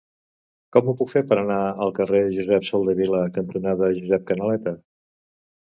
Com ho puc fer per anar al carrer Josep Soldevila cantonada Josep Canaleta?